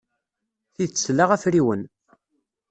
Tidet tla afriwen.